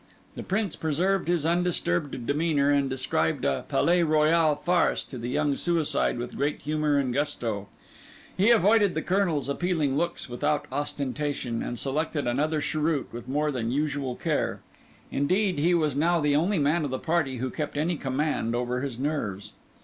The Prince preserved his undisturbed demeanour, and described a Palais Royal farce to the young suicide with great humour and gusto. He avoided the Colonel's appealing looks without ostentation, and selected another cheroot with more than usual care. Indeed, he was now the only man of the party who kept any command over his nerves.